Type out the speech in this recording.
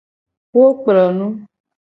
Wo kplo nu.